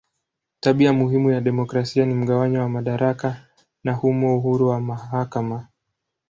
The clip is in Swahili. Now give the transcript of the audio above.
Tabia muhimu ya demokrasia ni mgawanyo wa madaraka na humo uhuru wa mahakama.